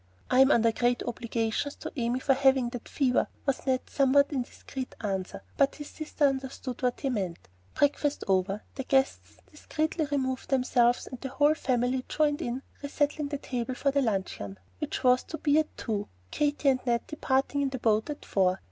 "I'm under great obligations to Amy for having that fever," was Ned's somewhat indirect answer; but his sister understood what he meant. Breakfast over, the guests discreetly removed themselves; and the whole family joined in resetting the table for the luncheon, which was to be at two, Katy and Ned departing in the boat at four.